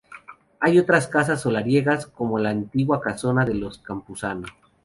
Hay otras casas solariegas, como la antigua casona de los Campuzano.